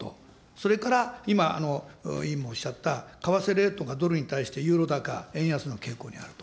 それから今、委員もおっしゃった為替レートがドルに対してユーロ高円安の傾向にあると。